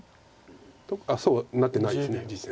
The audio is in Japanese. あっそうはなってないです実戦。